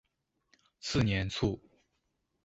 次年卒。